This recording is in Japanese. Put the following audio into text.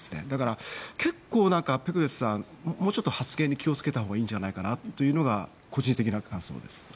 だから、結構ペクレスさんもうちょっと発言に気を付けたほうがいいんじゃないかなというのが個人的な感想です。